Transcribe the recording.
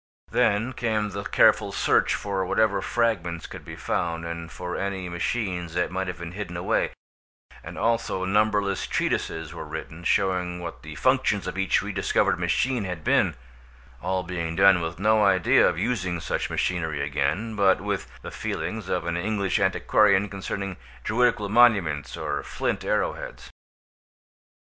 Then came the careful search for whatever fragments could be found, and for any machines that might have been hidden away, and also numberless treatises were written, showing what the functions of each rediscovered machine had been; all being done with no idea of using such machinery again, but with the feelings of an English antiquarian concerning Druidical monuments or flint arrow heads.